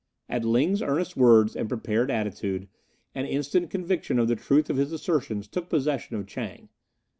At Ling's earnest words and prepared attitude an instant conviction of the truth of his assertions took possession of Chang.